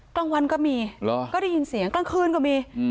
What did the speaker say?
กลางวันก็มีเหรอก็ได้ยินเสียงกลางคืนก็มี